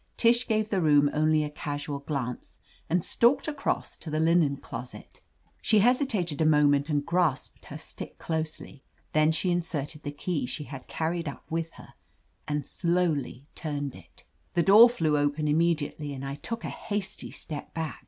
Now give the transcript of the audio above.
Tish gave the room only a casual glance, and stalked across to the linen closet She hesi tated a moment and grasped her stick closely. Then she inserted the key she had carried up with her, and slowly turned it. The door flew open immediately and I took a hasty step back.